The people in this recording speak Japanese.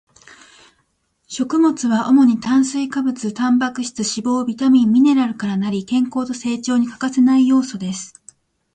食物は主に炭水化物、タンパク質、脂肪、ビタミン、ミネラルから成り、健康と成長に欠かせない要素です